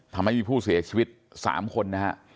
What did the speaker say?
ทำให้มีผู้เสียชีวิต๓คนนะฮะ